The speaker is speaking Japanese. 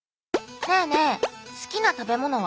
ねえねえ好きな食べ物は？